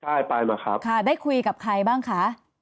ใช่ไปมาครับได้คุยกับใครบ้างคะ